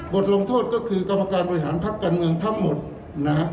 บทลงโทษก็คือกรรมการบริหารพักการเมืองทั้งหมดนะฮะ